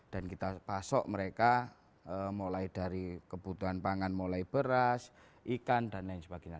dan kita pasok mereka mulai dari kebutuhan pangan mulai beras ikan dan lain sebagainya